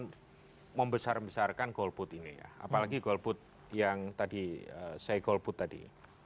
kemudian membesar besarkan golput ini ya apalagi golput yang tadi saya golput tadi